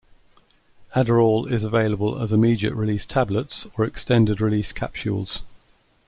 Adderall is available as immediate release tablets or extended-release capsules.